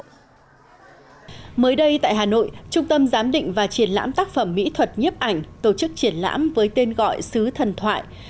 tới đây tại hà nội trung tâm giám định và triển lãm tác phẩm mỹ thuật nhếp ảnh tổ chức triển lãm với tên gọi sứ thần thoại